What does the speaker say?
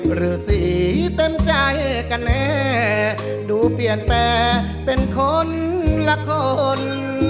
หรือสีเต็มใจกันแน่ดูเปลี่ยนแปรเป็นคนละคน